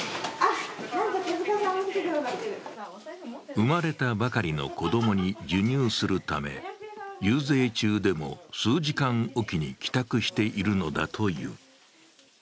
生まれたばかりの子供に授乳するため遊説中でも数時間おきに帰宅しているのだという。